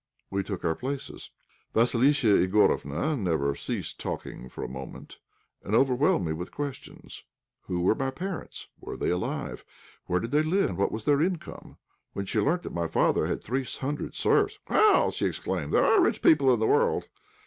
We took our places. Vassilissa Igorofna never ceased talking for a moment, and overwhelmed me with questions. Who were my parents, were they alive, where did they live, and what was their income? When she learnt that my father had three hundred serfs "Well!" she exclaimed, "there are rich people in this world!